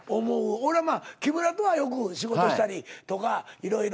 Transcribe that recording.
俺はまあ木村とはよく仕事したりとかいろいろ。